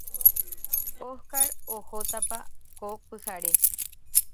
Óscar ohótapa ko pyhare.